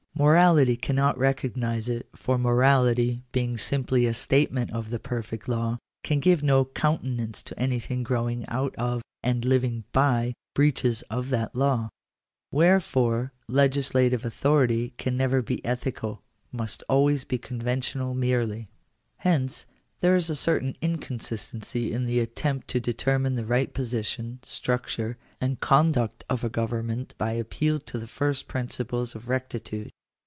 Morality cannot recognise it; for morality, being simply a statement of the perfect law, can give no countenance to anything growing out of, and living by, breaches of that law (Chap. I.). Where Digitized by VjOOQIC 208 THE RIGHT TO IGNORE THE STATE. Jfore, legislative authority can never be ethical — must always |be conventional merely. Hence, there is a certain inconsistency in the attempt to determine the right position, structure, and conduct of a govern ment by appeal to the first principles of rectitude.